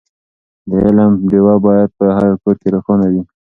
د علم ډېوه باید په هر کور کې روښانه وي.